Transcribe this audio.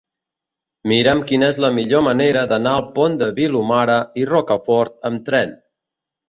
Mira'm quina és la millor manera d'anar al Pont de Vilomara i Rocafort amb tren.